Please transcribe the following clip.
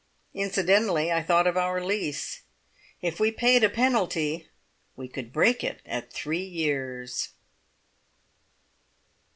Incidentally I thought of our lease. If we paid a penalty, we could break it at three years.